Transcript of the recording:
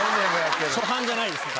初犯じゃないですね。